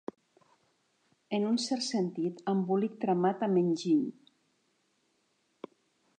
En un cert sentit, embolic tramat amb enginy.